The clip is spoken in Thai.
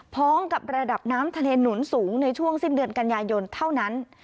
พร้อมกับระดับน้ำทะเลหนุนสูงในช่วงสิ้นเดือนกันยายนเท่านั้น